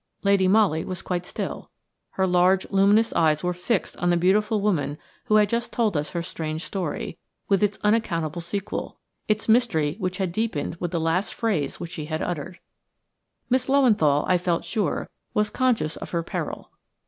Lady Molly was quite still. Her large, luminous eyes were fixed on the beautiful woman who had just told us her strange story, with its unaccountable sequel, its mystery which had deepened with the last phrase which she had uttered. Miss Löwenthal, I felt sure, was conscious of her peril.